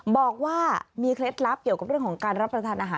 บอกว่ามีเคล็ดลับเกี่ยวกับเรื่องของการรับประทานอาหาร